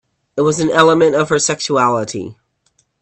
It was an element of her sexuality.